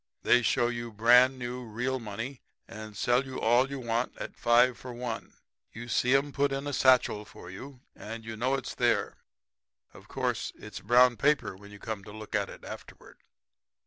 They show you brand new real money and sell you all you want at five for one. You see 'em put it in a satchel for you and know it's there. Of course it's brown paper when you come to look at it afterward.'